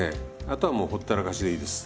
あとはもうほったらかしでいいです。